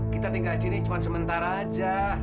kita tinggal di sini cuma sementara aja